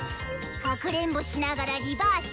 かくれんぼしながらリバーシ！